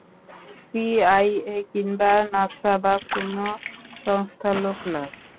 CIA কিংবা NASA বা কোনও সংস্থার লোক না?